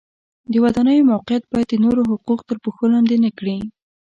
د ودانیو موقعیت باید د نورو حقوق تر پښو لاندې نه کړي.